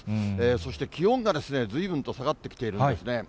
そして気温がずいぶんと下がってきているんですね。